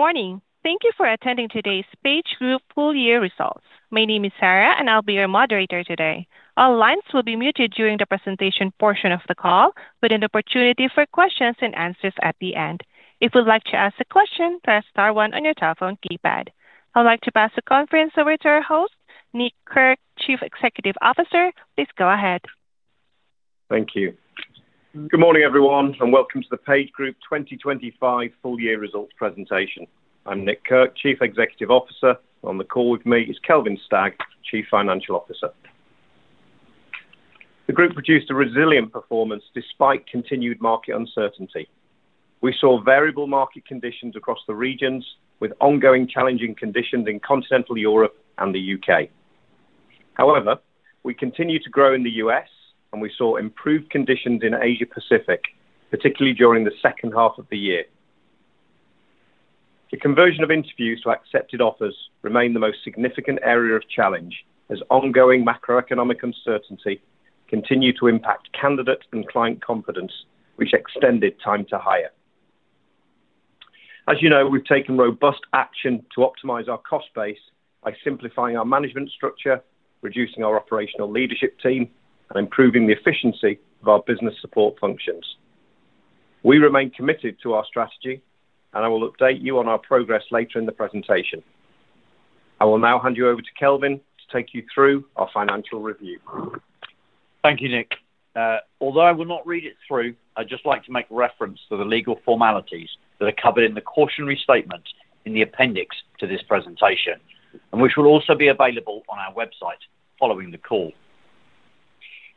Good morning. Thank you for attending today's PageGroup full year results. My name is Sarah, and I'll be your moderator today. All lines will be muted during the presentation portion of the call, with an opportunity for questions and answers at the end. If you'd like to ask a question, press star one on your telephone keypad. I'd like to pass the conference over to our host, Nick Kirk, Chief Executive Officer. Please go ahead. Thank you. Good morning, everyone, and welcome to the PageGroup 2025 full year results presentation. I'm Nick Kirk, Chief Executive Officer. On the call with me is Kelvin Stagg, Chief Financial Officer. The group produced a resilient performance despite continued market uncertainty. We saw variable market conditions across the regions, with ongoing challenging conditions in continental Europe and the U.K. We continue to grow in the U.S., and we saw improved conditions in Asia-Pacific, particularly during the second half of the year. The conversion of interviews to accepted offers remained the most significant area of challenge as ongoing macroeconomic uncertainty continued to impact candidate and client confidence, which extended time to hire. As you know, we've taken robust action to optimize our cost base by simplifying our management structure, reducing our operational leadership team, and improving the efficiency of our business support functions. We remain committed to our strategy, and I will update you on our progress later in the presentation. I will now hand you over to Kelvin to take you through our financial review. Thank you, Nick. Although I will not read it through, I'd just like to make reference to the legal formalities that are covered in the cautionary statement in the appendix to this presentation, which will also be available on our website following the call.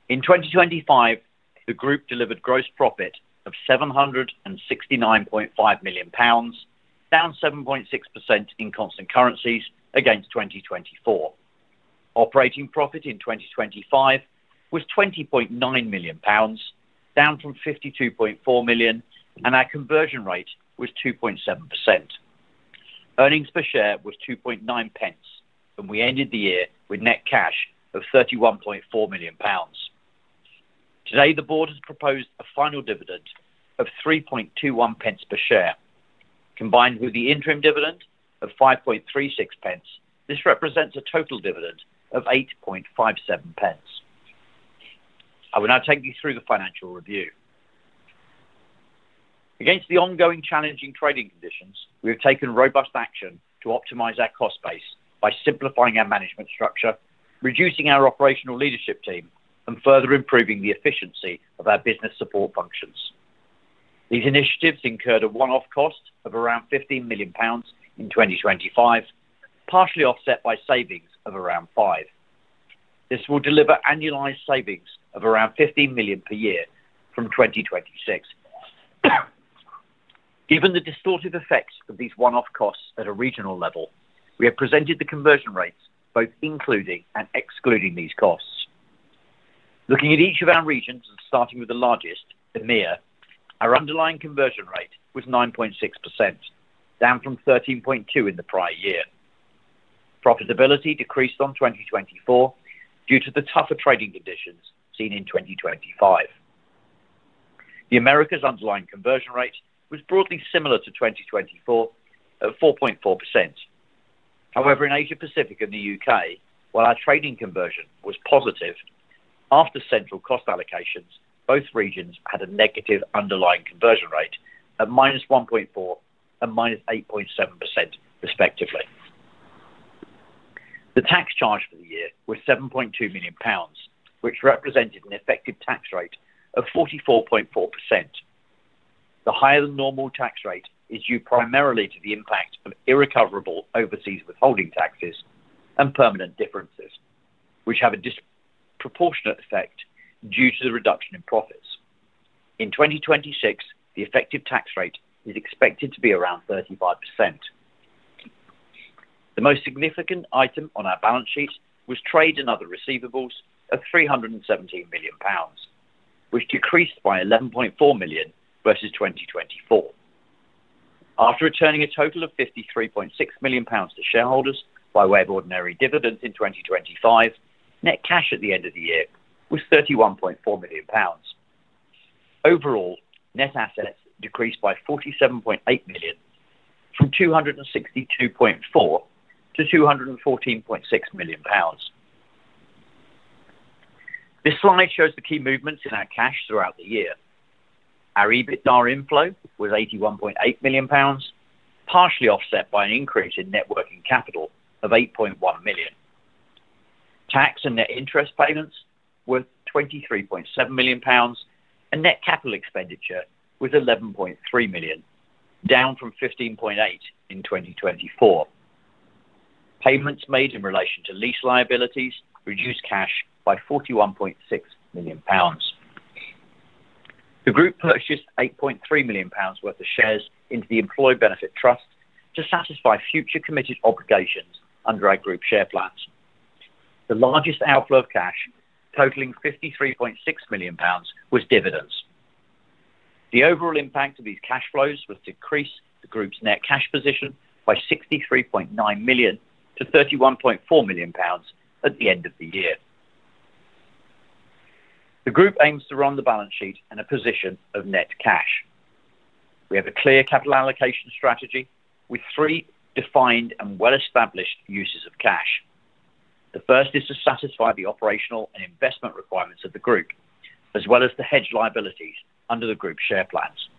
In 2025, the group delivered gross profit of 769.5 million pounds, down 7.6% in constant currencies against 2024. Operating profit in 2025 was 20.9 million pounds, down from 52.4 million. Our conversion rate was 2.7%. Earnings per share was 0.029. We ended the year with net cash of 31.4 million pounds. Today, the board has proposed a final dividend of 0.0321 per share. Combined with the interim dividend of 0.0536, this represents a total dividend of 0.0857. I will now take you through the financial review. Against the ongoing challenging trading conditions, we have taken robust action to optimize our cost base by simplifying our management structure, reducing our operational leadership team, and further improving the efficiency of our business support functions. These initiatives incurred a one-off cost of around 15 million pounds in 2025, partially offset by savings of around 5 million. This will deliver annualized savings of around 15 million per year from 2026. Given the distorted effects of these one-off costs at a regional level, we have presented the conversion rates both including and excluding these costs. Looking at each of our regions, starting with the largest, EMEA, our underlying conversion rate was 9.6%, down from 13.2% in the prior year. Profitability decreased on 2024 due to the tougher trading conditions seen in 2025. The Americas' underlying conversion rate was broadly similar to 2024 at 4.4%. However, in Asia-Pacific and the U.K., while our trading conversion was positive, after central cost allocations, both regions had a negative underlying conversion rate at -1.4% and -8.7% respectively. The tax charge for the year was 7.2 million pounds, which represented an effective tax rate of 44.4%. The higher-than-normal tax rate is due primarily to the impact of irrecoverable overseas withholding taxes and permanent differences, which have a disproportionate effect due to the reduction in profits. In 2026, the effective tax rate is expected to be around 35%. The most significant item on our balance sheet was trade and other receivables of GBP 317 million, which decreased by GBP 11.4 million versus 2024. After returning a total of GBP 53.6 million to shareholders by way of ordinary dividends in 2025, net cash at the end of the year was 31.4 million pounds. Overall, net assets decreased by 47.8 million from 262.4 million to 214.6 million pounds. This slide shows the key movements in our cash throughout the year. Our EBITDA inflow was GBP 81.8 million, partially offset by an increase in net working capital of GBP 8.1 million. Tax and net interest payments were GBP 23.7 million, and net capital expenditure was GBP 11.3 million, down from GBP 15.8 million in 2024. Payments made in relation to lease liabilities reduced cash by 41.6 million pounds. The group purchased 8.3 million pounds worth of shares into the employee benefit trust to satisfy future committed obligations under our group share plans. The largest outflow of cash, totaling 53.6 million pounds, was dividends. The overall impact of these cash flows was to decrease the group's net cash position by 63.9 million to 31.4 million pounds at the end of the year. The group aims to run the balance sheet in a position of net cash. We have a clear capital allocation strategy with three defined and well-established uses of cash. The first is to satisfy the operational and investment requirements of the group, as well as to hedge liabilities under the group's share plans.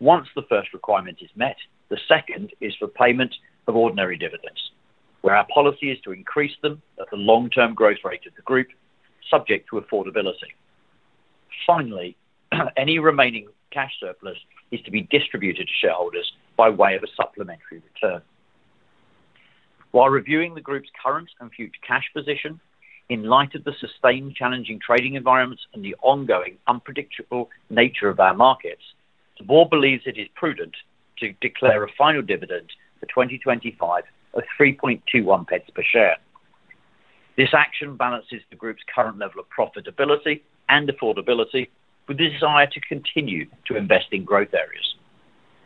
Once the first requirement is met, the second is for payment of ordinary dividends, where our policy is to increase them at the long-term growth rate of the group, subject to affordability. Finally, any remaining cash surplus is to be distributed to shareholders by way of a supplementary return. While reviewing the group's current and future cash position in light of the sustained challenging trading environments and the ongoing unpredictable nature of our markets, the board believes it is prudent to declare a final dividend for 2025 of 0.0321 per share. This action balances the group's current level of profitability and affordability with the desire to continue to invest in growth areas.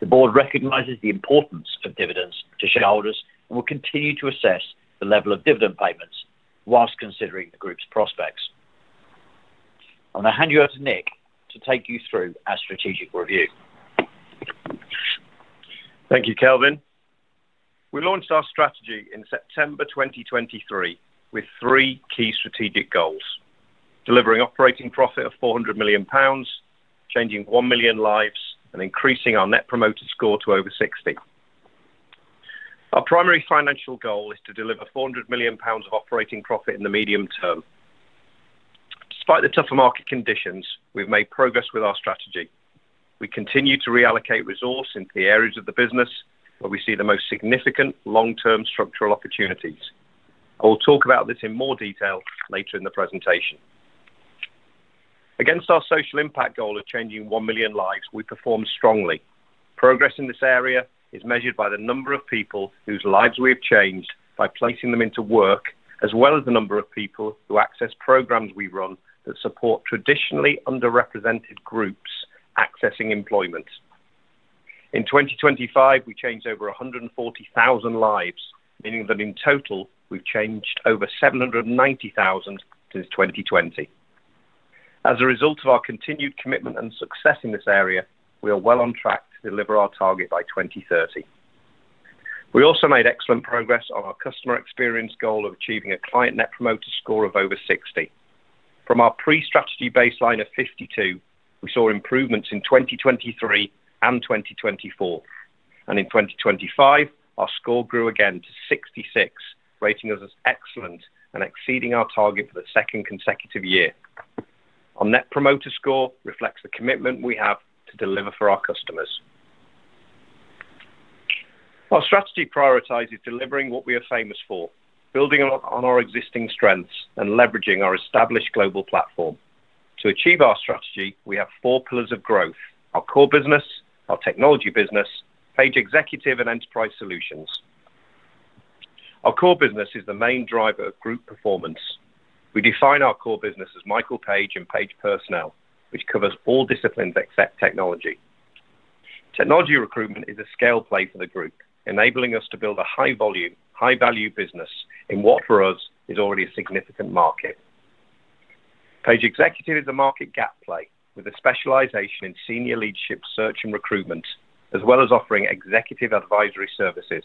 The board recognizes the importance of dividends to shareholders and will continue to assess the level of dividend payments while considering the group's prospects. I'm gonna hand you over to Nick to take you through our strategic review. Thank you, Kelvin. We launched our strategy in September 2023 with three key strategic goals: delivering operating profit of 400 million pounds, changing 1 million lives and increasing our Net Promoter Score to over 60. Our primary financial goal is to deliver 400 million pounds of operating profit in the medium term. Despite the tougher market conditions, we've made progress with our strategy. We continue to reallocate resource into the areas of the business where we see the most significant long-term structural opportunities. I will talk about this in more detail later in the presentation. Against our social impact goal of changing 1 million lives, we performed strongly. Progress in this area is measured by the number of people whose lives we have changed by placing them into work, as well as the number of people who access programs we run that support traditionally underrepresented groups accessing employment. In 2025, we changed over 140,000 lives, meaning that in total we've changed over 790,000 since 2020. As a result of our continued commitment and success in this area, we are well on track to deliver our target by 2030. We also made excellent progress on our customer experience goal of achieving a client Net Promoter Score of over 60. From our pre-strategy baseline of 52, we saw improvements in 2023 and 2024. In 2025 our score grew again to 66, rating us as excellent and exceeding our target for the second consecutive year. Our Net Promoter Score reflects the commitment we have to deliver for our customers. Our strategy prioritizes delivering what we are famous for, building on our existing strengths and leveraging our established global platform. To achieve our strategy, we have four pillars of growth: our core business, our technology business, Page Executive and Enterprise Solutions. Our core business is the main driver of group performance. We define our core business as Michael Page and Page Personnel, which covers all disciplines except Technology. Technology recruitment is a scale play for the group, enabling us to build a high volume, high value business in what for us is already a significant market. Page Executive is a market gap play with a specialization in senior leadership search and recruitment, as well as offering executive advisory services.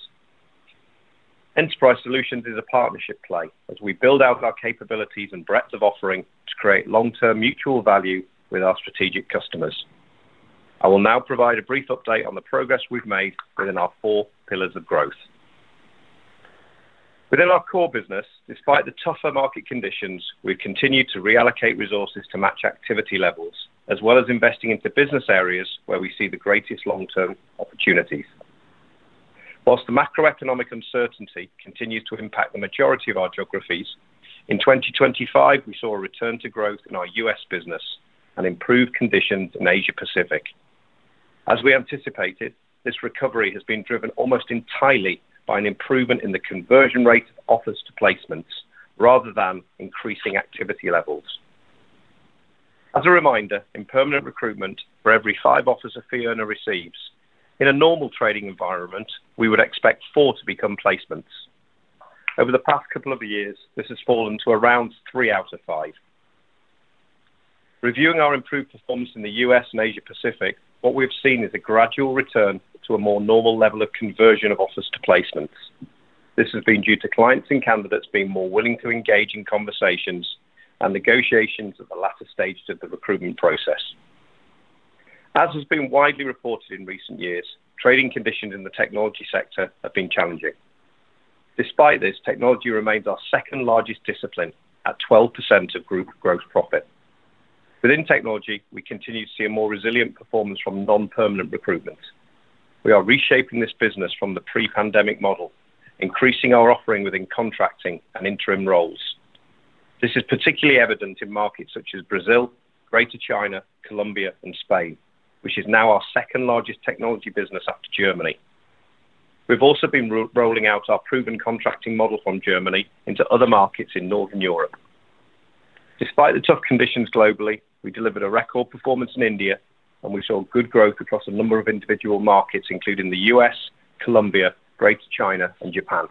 Enterprise Solutions is a partnership play as we build out our capabilities and breadth of offering to create long-term mutual value with our strategic customers. I will now provide a brief update on the progress we've made within our four pillars of growth. Within our core business, despite the tougher market conditions, we've continued to reallocate resources to match activity levels, as well as investing into business areas where we see the greatest long-term opportunities. Whilst the macroeconomic uncertainty continues to impact the majority of our geographies, in 2025, we saw a return to growth in our U.S. business and improved conditions in Asia-Pacific. As we anticipated, this recovery has been driven almost entirely by an improvement in the conversion rate of offers to placements rather than increasing activity levels. As a reminder, in permanent recruitment for every five offers a fee earner receives, in a normal trading environment, we would expect four to become placements. Over the past couple of years, this has fallen to around three out of five. Reviewing our improved performance in the U.S. and Asia-Pacific, what we have seen is a gradual return to a more normal level of conversion of offers to placements. This has been due to clients and candidates being more willing to engage in conversations and negotiations at the latter stages of the recruitment process. As has been widely reported in recent years, trading conditions in the technology sector have been challenging. Despite this, Technology remains our second-largest discipline at 12% of group gross profit. Within Technology, we continue to see a more resilient performance from non-permanent recruitment. We are reshaping this business from the pre-pandemic model, increasing our offering within contracting and interim roles. This is particularly evident in markets such as Brazil, Greater China, Colombia and Spain, which is now our second-largest Technology business after Germany. We've also been rolling out our proven contracting model from Germany into other markets in Northern Europe. Despite the tough conditions globally, we delivered a record performance in India, and we saw good growth across a number of individual markets, including the U.S., Colombia, Greater China and Japan.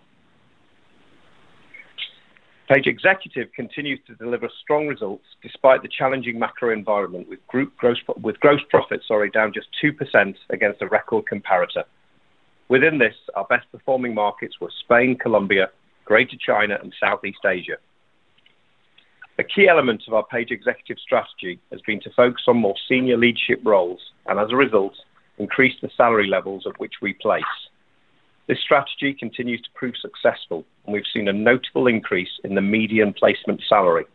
Page Executive continues to deliver strong results despite the challenging macro environment with gross profits, sorry, down just 2% against a record comparator. Within this, our best performing markets were Spain, Colombia, Greater China and Southeast Asia. A key element of our Page Executive strategy has been to focus on more senior leadership roles and as a result, increase the salary levels at which we place. This strategy continues to prove successful, and we've seen a notable increase in the median placement salary.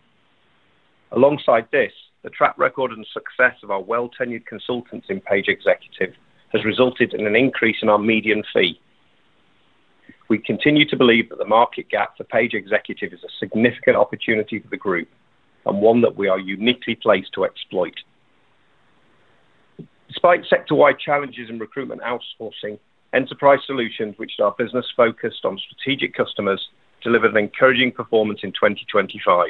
Alongside this, the track record and success of our well tenured consultants in Page Executive has resulted in an increase in our median fee. We continue to believe that the market gap for Page Executive is a significant opportunity for the group and one that we are uniquely placed to exploit. Despite sector-wide challenges in recruitment outsourcing, Enterprise Solutions, which is our business focused on strategic customers, delivered an encouraging performance in 2025.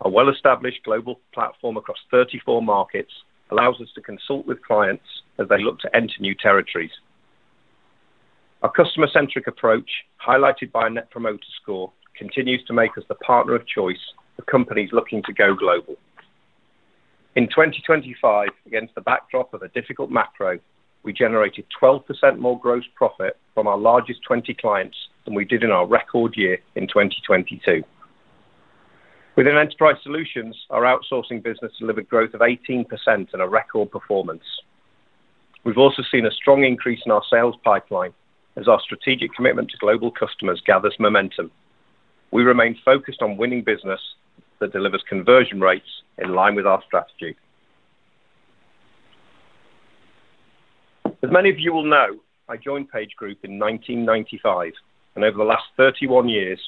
Our well-established global platform across 34 markets allows us to consult with clients as they look to enter new territories. Our customer-centric approach, highlighted by a Net Promoter Score, continues to make us the partner of choice for companies looking to go global. In 2025, against the backdrop of a difficult macro, we generated 12% more gross profit from our largest 20 clients than we did in our record year in 2022. Within Enterprise Solutions, our outsourcing business delivered growth of 18% and a record performance. We've also seen a strong increase in our sales pipeline as our strategic commitment to global customers gathers momentum. We remain focused on winning business that delivers conversion rates in line with our strategy. As many of you will know, I joined PageGroup in 1995, and over the last 31 years,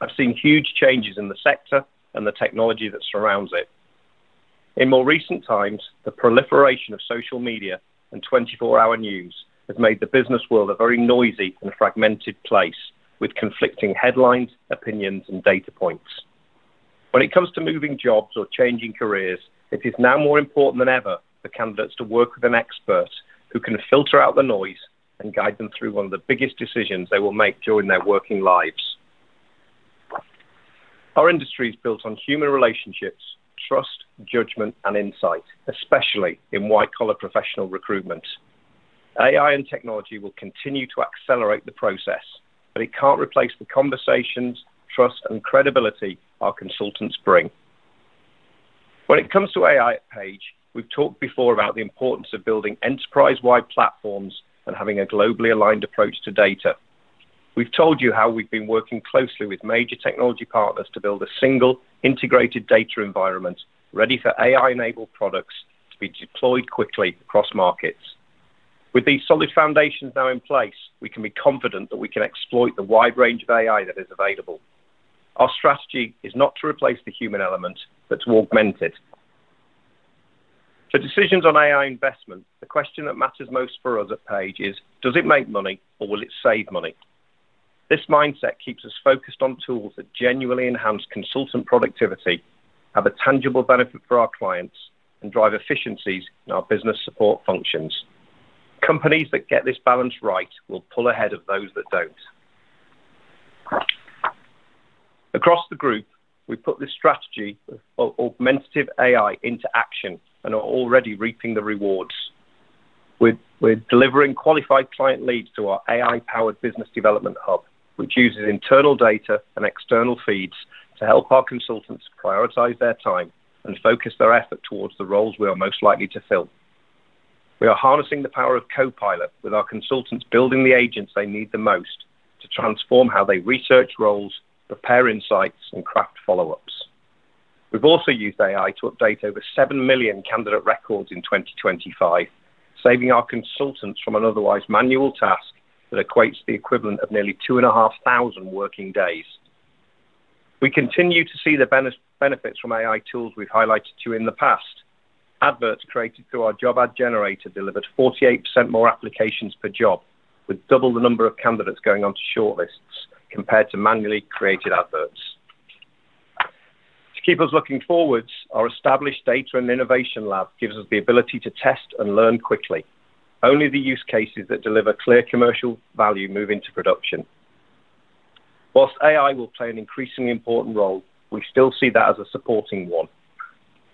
I've seen huge changes in the sector and the technology that surrounds it. In more recent times, the proliferation of social media and 24-hour news has made the business world a very noisy and fragmented place, with conflicting headlines, opinions and data points. When it comes to moving jobs or changing careers, it is now more important than ever for candidates to work with an expert who can filter out the noise and guide them through one of the biggest decisions they will make during their working lives. Our industry is built on human relationships, trust, judgment and insight, especially in white-collar professional recruitment. Technology will continue to accelerate the process, but it can't replace the conversations, trust and credibility our consultants bring. When it comes to AI at Page, we've talked before about the importance of building enterprise-wide platforms and having a globally aligned approach to data. We've told you how we've been working closely with major technology partners to build a single integrated data environment ready for AI-enabled products to be deployed quickly across markets. With these solid foundations now in place, we can be confident that we can exploit the wide range of AI that is available. Our strategy is not to replace the human element, but to augment it. For decisions on AI investment, the question that matters most for us at Page is: Does it make money or will it save money? This mindset keeps us focused on tools that genuinely enhance consultant productivity, have a tangible benefit for our clients, and drive efficiencies in our business support functions. Companies that get this balance right will pull ahead of those that don't. Across the group, we've put this strategy of augmentative AI into action and are already reaping the rewards. We're delivering qualified client leads to our AI-powered business development hub, which uses internal data and external feeds to help our consultants prioritize their time and focus their effort towards the roles we are most likely to fill. We are harnessing the power of Copilot with our consultants building the agents they need the most to transform how they research roles, prepare insights, and craft follow-ups. We've also used AI to update over 7 million candidate records in 2025, saving our consultants from an otherwise manual task that equates to the equivalent of nearly 2,500 working days. We continue to see the benefits from AI tools we've highlighted to you in the past. Adverts created through our job ad generator delivered 48% more applications per job, with double the number of candidates going on to shortlists compared to manually created adverts. To keep us looking forwards, our established data and innovation lab gives us the ability to test and learn quickly. Only the use cases that deliver clear commercial value move into production. Whilst AI will play an increasingly important role, we still see that as a supporting one.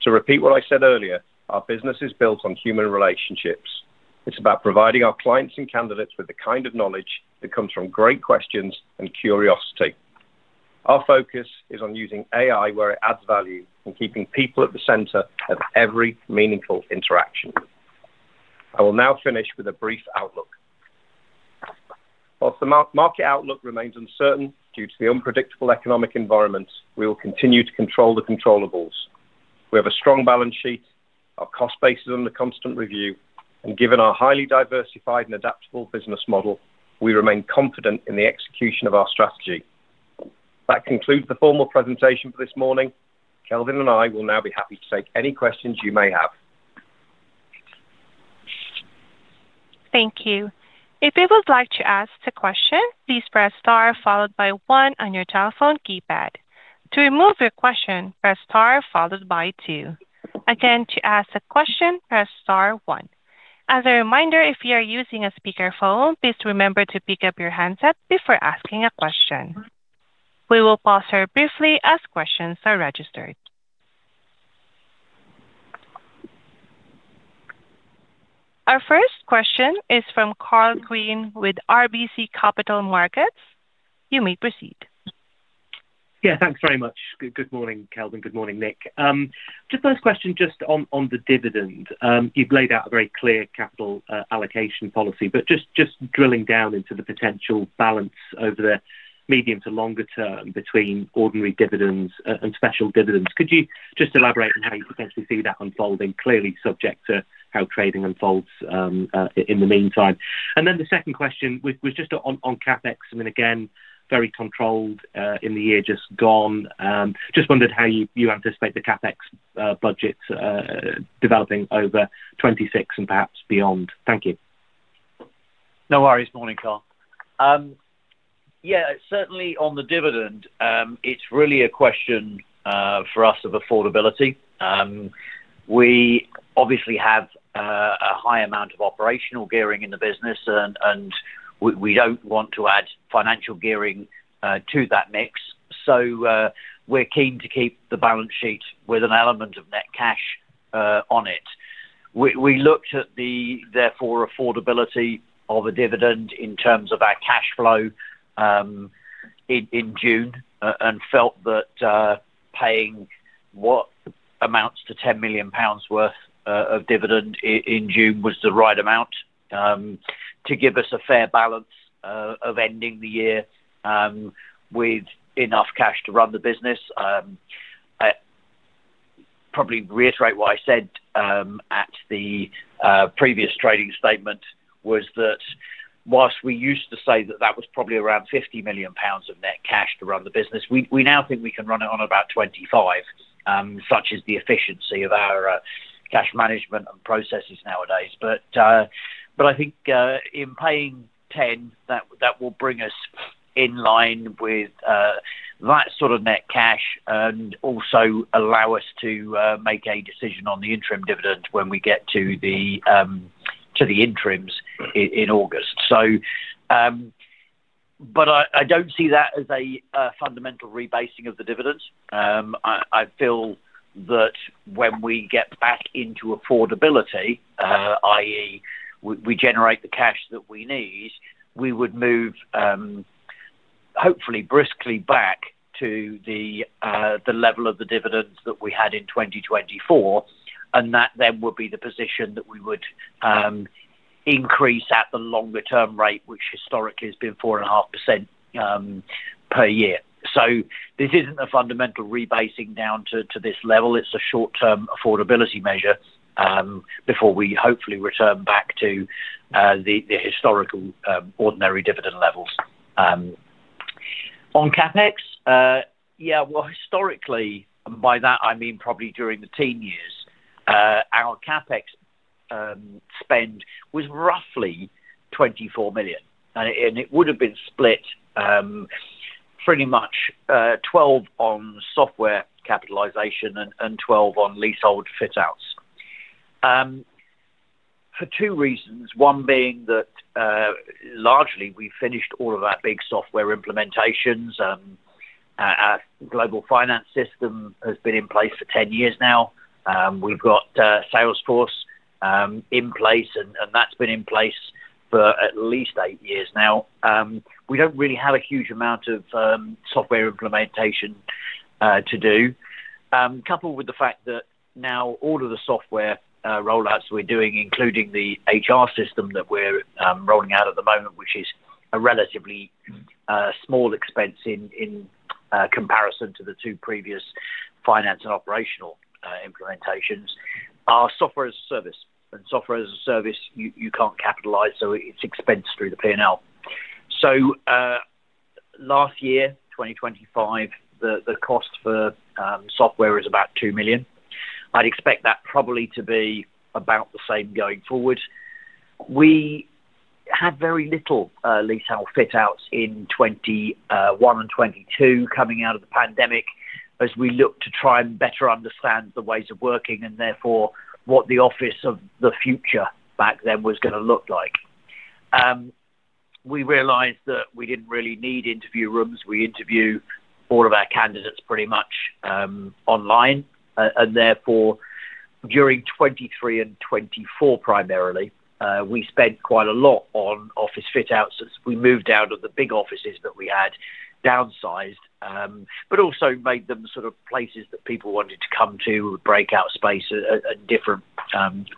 To repeat what I said earlier, our business is built on human relationships. It's about providing our clients and candidates with the kind of knowledge that comes from great questions and curiosity. Our focus is on using AI where it adds value and keeping people at the center of every meaningful interaction. I will now finish with a brief outlook. Whilst the market outlook remains uncertain due to the unpredictable economic environment, we will continue to control the controllables. We have a strong balance sheet, our cost base is under constant review, and given our highly diversified and adaptable business model, we remain confident in the execution of our strategy. That concludes the formal presentation for this morning. Kelvin and I will now be happy to take any questions you may have. Thank you. If you would like to ask a question, please press star followed by one on your telephone keypad. To remove your question, press star followed by two. Again, to ask a question, press star one. As a reminder, if you are using a speakerphone, please remember to pick up your handset before asking a question. We will pause here briefly as questions are registered. Our first question is from Karl Green with RBC Capital Markets. You may proceed. Yeah, thanks very much. Good morning, Kelvin. Good morning, Nick. Just first question on the dividend. You've laid out a very clear capital allocation policy, but drilling down into the potential balance over the medium to longer term between ordinary dividends and special dividends. Could you just elaborate on how you potentially see that unfolding, clearly subject to how trading unfolds in the meantime? The second question was just on CapEx. I mean, again, very controlled in the year just gone. Just wondered how you anticipate the CapEx budget developing over 2026 and perhaps beyond. Thank you. No worries. Morning, Karl. Yeah, certainly on the dividend, it's really a question for us of affordability. We obviously have a high amount of operational gearing in the business, and we don't want to add financial gearing to that mix. We're keen to keep the balance sheet with an element of net cash on it. We looked at the, therefore, affordability of a dividend in terms of our cash flow in June and felt that paying what amounts to 10 million pounds worth of dividend in June was the right amount to give us a fair balance of ending the year with enough cash to run the business. Probably reiterate what I said at the previous trading statement was that whilst we used to say that that was probably around 50 million pounds of net cash to run the business, we now think we can run it on about 25 million, such as the efficiency of our cash management and processes nowadays. I think in paying 10 million, that will bring us in line with that sort of net cash and also allow us to make a decision on the interim dividend when we get to the interims in August. I don't see that as a fundamental rebasing of the dividends. I feel that when we get back into affordability, i.e., we generate the cash that we need, we would move, hopefully briskly back to the level of the dividends that we had in 2024, and that then would be the position that we would increase at the longer term rate, which historically has been 4.5% per year. This isn't a fundamental rebasing down to this level. It's a short-term affordability measure before we hopefully return back to the historical ordinary dividend levels. On CapEx, well, historically, and by that I mean probably during the teen years, our CapEx spend was roughly 24 million. It would have been split pretty much 12 million on software capitalization and 12 million on leasehold fit-outs. For two reasons, one being that largely we finished all of our big software implementations. Our global finance system has been in place for 10 years now. We've got Salesforce in place, and that's been in place for at least eight years now. We don't really have a huge amount of software implementation to do. Coupled with the fact that now all of the software rollouts we're doing, including the HR system that we're rolling out at the moment, which is a relatively small expense in comparison to the two previous finance and operational implementations. Our software is a service, and Software-as-a-Service you can't capitalize, so it's expense through the P&L. Last year, 2025, the cost for software is about 2 million. I'd expect that probably to be about the same going forward. We had very little leasehold fit-outs in 2021 and 2022 coming out of the pandemic as we look to try and better understand the ways of working and therefore what the office of the future back then was gonna look like. We realized that we didn't really need interview rooms. We interview all of our candidates pretty much online. Therefore, during 2023 and 2024 primarily, we spent quite a lot on office fit-outs as we moved out of the big offices that we had downsized, but also made them sort of places that people wanted to come to, breakout space and different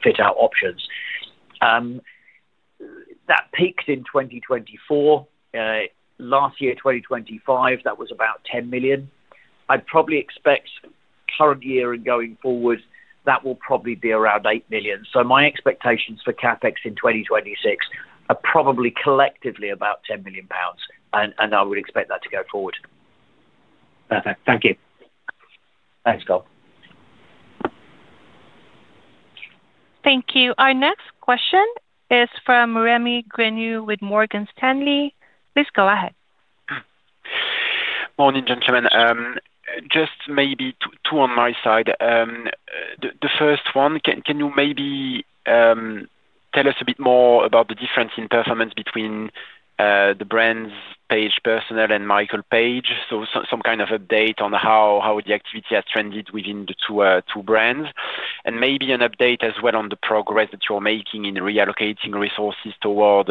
fit-out options. That peaked in 2024. Last year, 2025, that was about 10 million. I'd probably expect current year and going forward, that will probably be around 8 million. My expectations for CapEx in 2026 are probably collectively about 10 million pounds, and I would expect that to go forward. Perfect. Thank you. Thanks, Karl. Thank you. Our next question is from Rémi Grenu with Morgan Stanley. Please go ahead. Morning, gentlemen. Just maybe two on my side. The first one, can you maybe tell us a bit more about the difference in performance between the brands Page Personnel and Michael Page? Some kind of update on how the activity has trended within the two brands, and maybe an update as well on the progress that you're making in reallocating resources toward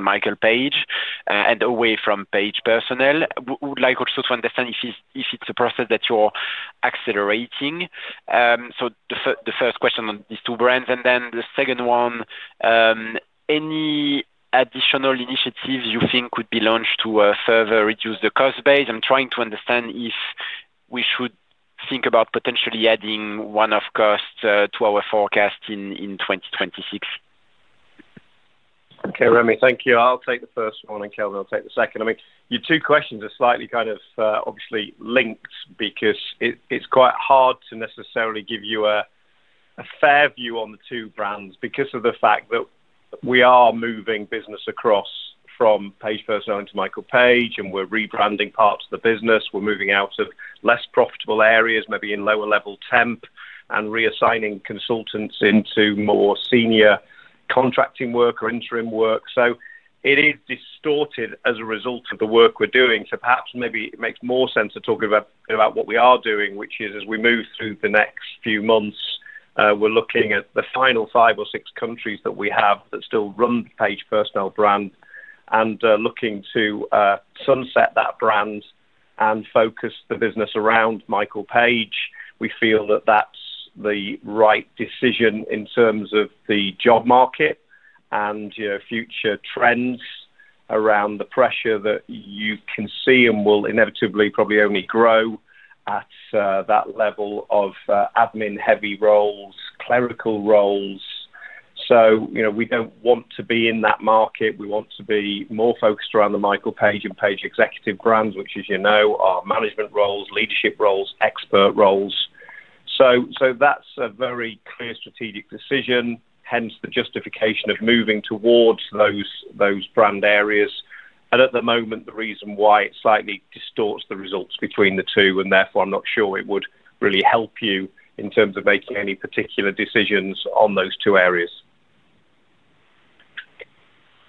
Michael Page and away from Page Personnel. Would like also to understand if it's a process that you're accelerating. The first question on these two brands, and then the second one, any additional initiatives you think could be launched to further reduce the cost base? I'm trying to understand if we should think about potentially adding one-off costs to our forecast in 2026. Okay, Rémi. Thank you. I'll take the first one. Kelvin will take the second. I mean, your two questions are slightly kind of obviously linked because it's quite hard to necessarily give you a fair view on the two brands because of the fact that we are moving business across from Page Personnel into Michael Page. We're rebranding parts of the business. We're moving out of less-profitable areas, maybe in lower-level temp, reassigning consultants into more senior contracting work or interim work. It is distorted as a result of the work we're doing. Perhaps maybe it makes more sense to talk about what we are doing, which is as we move through the next few months, we're looking at the final five or six countries that we have that still run the Page Personnel brand and looking to sunset that brand and focus the business around Michael Page. We feel that that's the right decision in terms of the job market and, you know, future trends around the pressure that you can see and will inevitably probably only grow at that level of admin-heavy roles, clerical roles. You know, we don't want to be in that market. We want to be more focused around the Michael Page and Page Executive brands, which, as you know, are management roles, leadership roles, expert roles. That's a very clear strategic decision, hence the justification of moving towards those brand areas. At the moment, the reason why it slightly distorts the results between the two, and therefore, I'm not sure it would really help you in terms of making any particular decisions on those two areas.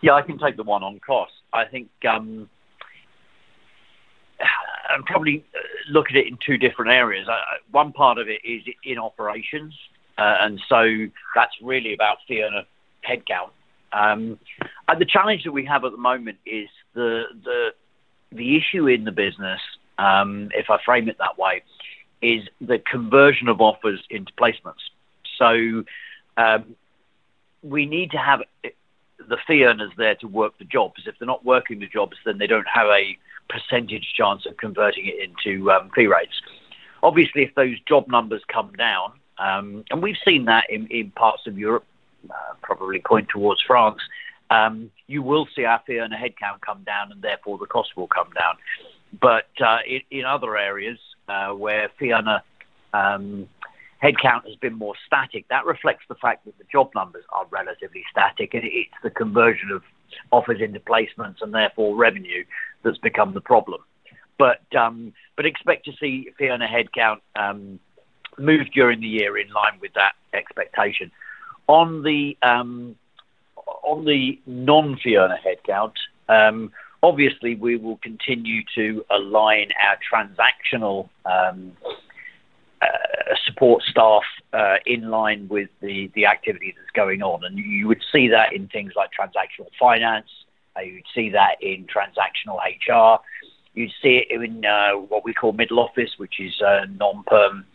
Yeah. I can take the one on cost. I think, probably look at it in two different areas. One part of it is in operations, that's really about fee earner headcount. The challenge that we have at the moment is the issue in the business, if I frame it that way, is the conversion of offers into placements. We need to have the fee earners there to work the jobs. If they're not working the jobs, then they don't have a percentage chance of converting it into fee rates. Obviously, if those job numbers come down, we've seen that in parts of Europe, probably point towards France, you will see our fee earner headcount come down, and therefore, the cost will come down. In other areas, where fee earner headcount has been more static, that reflects the fact that the job numbers are relatively static, and it's the conversion of offers into placements, and therefore revenue that's become the problem. Expect to see fee earner headcount move during the year in line with that expectation. On the non-fee earner headcount, obviously we will continue to align our transactional support staff in line with the activity that's going on. You would see that in things like transactional finance. You would see that in transactional HR. You'd see it in what we call middle office, which is non-perm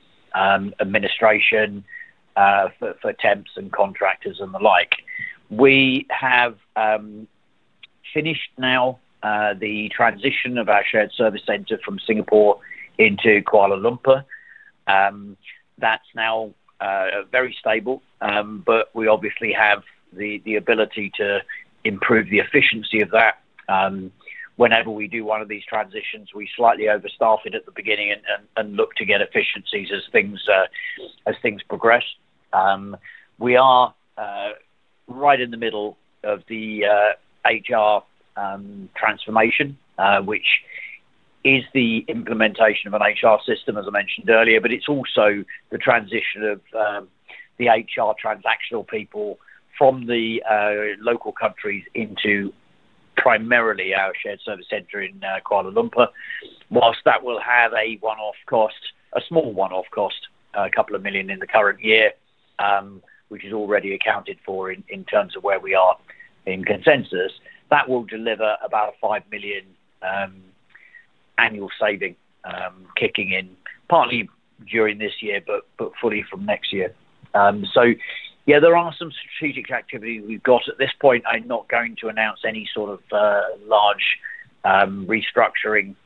administration for temps and contractors and the like. We have finished now the transition of our shared service center from Singapore into Kuala Lumpur. That's now very stable, but we obviously have the ability to improve the efficiency of that. Whenever we do one of these transitions, we slightly overstaff it at the beginning and look to get efficiencies as things progress. We are right in the middle of the HR transformation, which is the implementation of an HR system, as I mentioned earlier, but it's also the transition of the HR transactional people from the local countries into primarily our shared service center in Kuala Lumpur. While that will have a one-off cost, a small one-off cost, a couple of million in the current year, which is already accounted for in terms of where we are in consensus, that will deliver about a 5 million annual saving, kicking in partly during this year but fully from next year. There are some strategic activity we've got at this point. I'm not going to announce any sort of large restructuring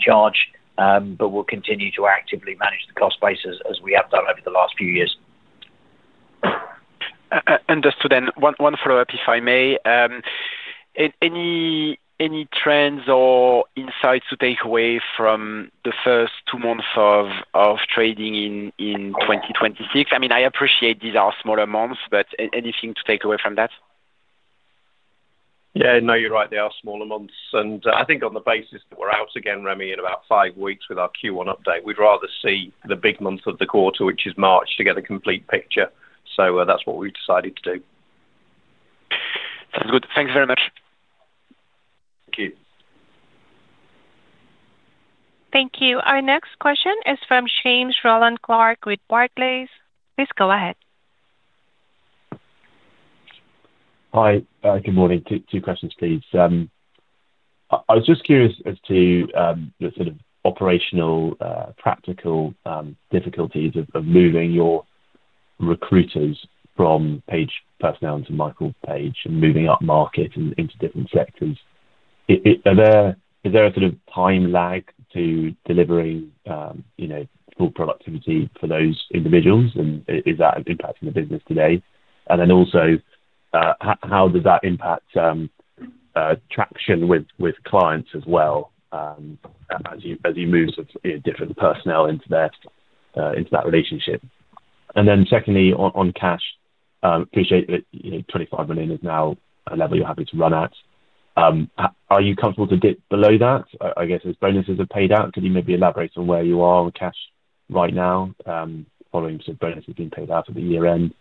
charge, but we'll continue to actively manage the cost base as we have done over the last few years. Understood. One follow-up, if I may. Any trends or insights to take away from the first two months of trading in 2026? I mean, I appreciate these are smaller months, but anything to take away from that? Yeah. No, you're right. They are smaller months. I think on the basis that we're out again, Rémi, in about 5 weeks with our Q1 update, we'd rather see the big months of the quarter, which is March, to get a complete picture. That's what we've decided to do. Sounds good. Thanks very much. Thank you. Thank you. Our next question is from James Rowland Clark with Barclays. Please go ahead. Hi. Good morning. Two questions, please. I was just curious as to the sort of operational, practical difficulties of moving your recruiters from Page Personnel to Michael Page and moving upmarket into different sectors. Are there, is there a sort of time lag to delivering, you know, full productivity for those individuals? Is that impacting the business today? How does that impact traction with clients as well, as you, as you move, you know, different personnel into that, into that relationship? Secondly, on cash, appreciate that, you know, 25 million is now a level you're happy to run at. Are you comfortable to dip below that? I guess as bonuses are paid out, could you maybe elaborate on where you are with cash right now, following some bonuses being paid out at the year-end?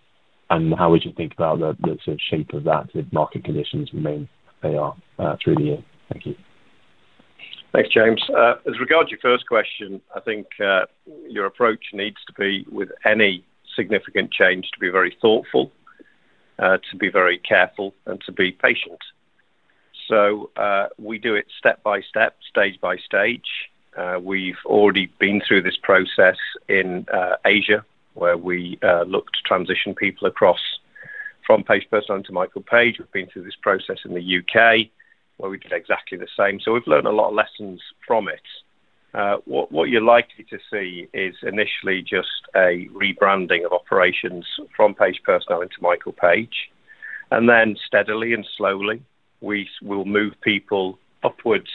How we should think about the sort of shape of that if market conditions remain they are through the year. Thank you. Thanks, James. As regard to your first question, I think your approach needs to be, with any significant change, to be very thoughtful, to be very careful, and to be patient. We do it step by step, stage by stage. We've already been through this process in Asia, where we look to transition people across from Page Personnel to Michael Page. We've been through this process in the U.K., where we did exactly the same. We've learned a lot of lessons from it. What you're likely to see is initially just a rebranding of operations from Page Personnel into Michael Page. Steadily and slowly, we'll move people upwards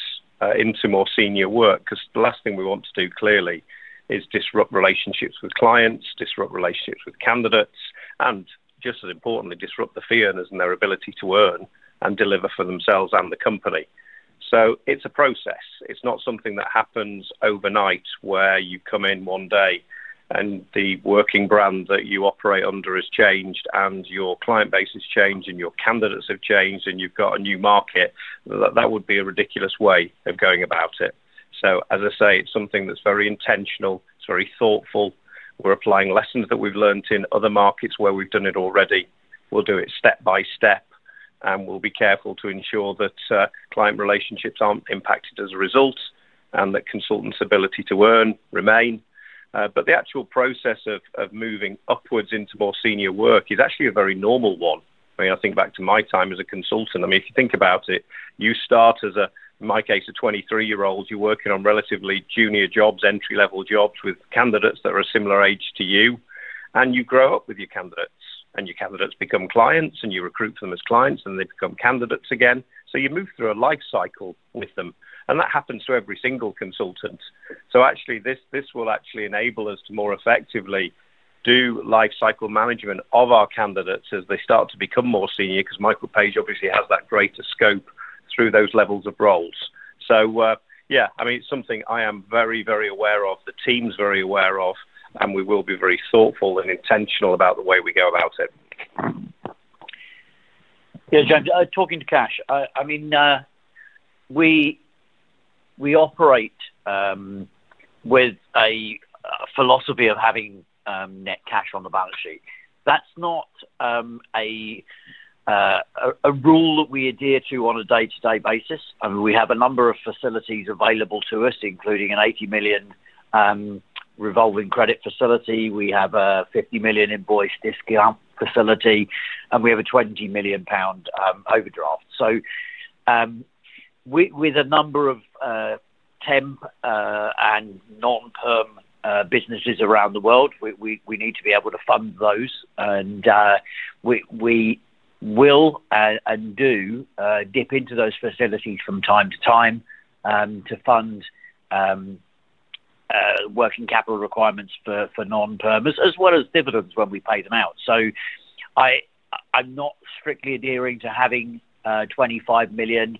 into more senior work, 'cause the last thing we want to do, clearly, is disrupt relationships with clients, disrupt relationships with candidates, and just as importantly, disrupt the fee earners and their ability to earn and deliver for themselves and the company. It's a process. It's not something that happens overnight, where you come in one day and the working brand that you operate under has changed and your client base has changed and your candidates have changed and you've got a new market. That would be a ridiculous way of going about it. As I say, it's something that's very intentional. It's very thoughtful. We're applying lessons that we've learned in other markets where we've done it already. We'll do it step by step, and we'll be careful to ensure that client relationships aren't impacted as a result, and that consultants' ability to earn remain. But the actual process of moving upwards into more senior work is actually a very normal one. I mean, I think back to my time as a consultant. I mean, if you think about it, you start as a, in my case, a 23-year-old. You're working on relatively junior jobs, entry-level jobs with candidates that are a similar age to you, and you grow up with your candidates. Your candidates become clients, and you recruit them as clients, and they become candidates again. You move through a life cycle with them, and that happens to every single consultant. Actually, this will actually enable us to more effectively do life cycle management of our candidates as they start to become more senior, 'cause Michael Page obviously has that greater scope through those levels of roles. Yeah, I mean, it's something I am very, very aware of, the team's very aware of, and we will be very thoughtful and intentional about the way we go about it. Yeah. James, talking to cash, I mean, we operate with a philosophy of having net cash on the balance sheet. That's not a rule that we adhere to on a day-to-day basis. I mean, we have a number of facilities available to us, including a 80 million revolving credit facility. We have a 50 million invoice discount facility, and we have a 20 million pound overdraft. With a number of temp and non-perm businesses around the world, we need to be able to fund those and we will and do dip into those facilities from time to time to fund working capital requirements for non-perms, as well as dividends when we pay them out. I'm not strictly adhering to having 25 million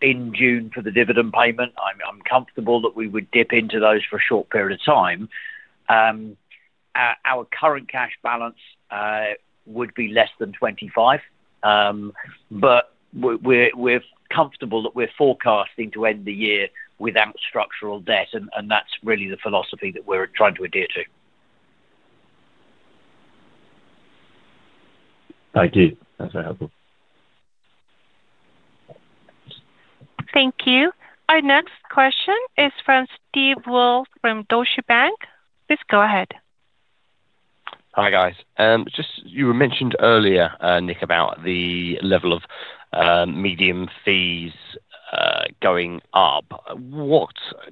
in June for the dividend payment. I'm comfortable that we would dip into those for a short period of time. Our current cash balance would be less than 25 million. We're comfortable that we're forecasting to end the year without structural debt, and that's really the philosophy that we're trying to adhere to. Thank you. That's very helpful. Thank you. Our next question is from Steve Woolf from Deutsche Bank. Please go ahead. Hi, guys. Just you were mentioned earlier, Nick, about the level of median fees going up.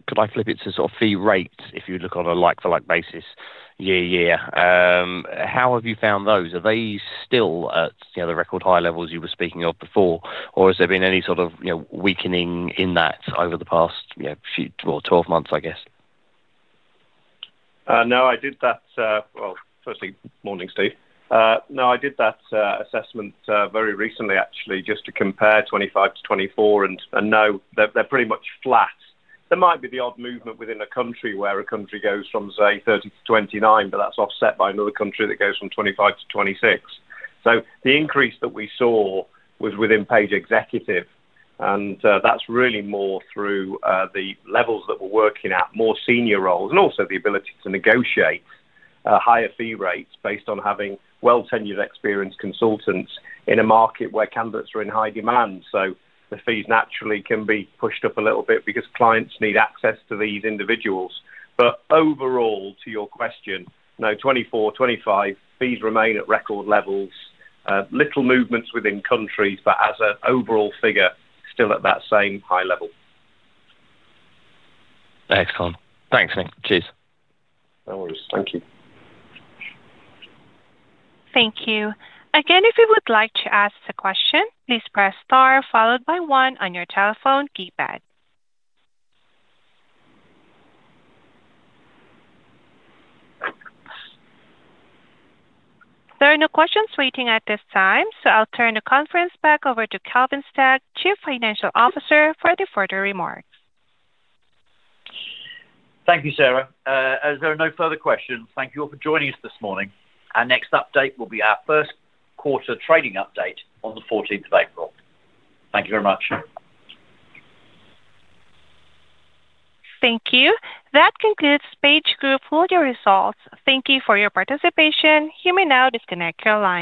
Could I flip it to sort of fee rates if you look on a like-for-like basis year-to-year? How have you found those? Are they still at, you know, the record high levels you were speaking of before? Or has there been any sort of, you know, weakening in that over the past, you know, few or 12 months, I guess? No, I did that assessment very recently actually, just to compare 2025 to 2024. No, they're pretty much flat. There might be the odd movement within a country, where a country goes from, say, 30 to 29, but that's offset by another country that goes from 25 to 26. The increase that we saw was within Page Executive, and that's really more through the levels that we're working at, more senior roles, and also the ability to negotiate higher fee rates based on having well-tenured experienced consultants in a market where candidates are in high demand. The fees naturally can be pushed up a little bit because clients need access to these individuals. Overall, to your question, no, 2024, 2025 fees remain at record levels. Little movements within countries, but as an overall figure, still at that same high level. Excellent. Thanks, Nick. Cheers. No worries. Thank you. Thank you. Again, if you would like to ask a question, please press star followed by one on your telephone keypad. There are no questions waiting at this time. I'll turn the conference back over to Kelvin Stagg, Chief Financial Officer, for any further remarks. Thank you, Sarah. As there are no further questions, thank you all for joining us this morning. Our next update will be our first quarter trading update on the 14th of April. Thank you very much. Thank you. That concludes PageGroup full year results. Thank you for your participation. You may now disconnect your line.